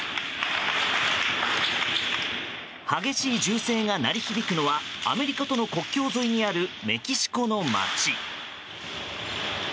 激しい銃声が鳴り響くのはアメリカとの国境沿いにあるメキシコの街。